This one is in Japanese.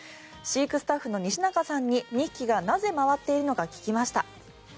飼育スタッフの西中さんに２匹がなぜ、回っているのか聞きました。